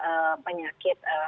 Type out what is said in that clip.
tidak ada penyakit hepatitis